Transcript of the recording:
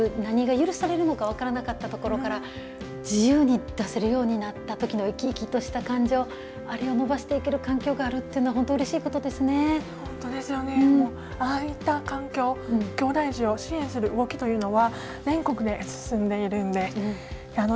何が許されるのか分からなかったことから自由になったときの生き生きとした感情あれを伸ばしていける環境があるのは本当ですよね、ああいった環境きょうだい児を支援する動きというのは全国で進んでいるんです。